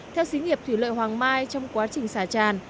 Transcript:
theo xí nghiệp thủy lợi hoàng mai trong quá trình xả tràn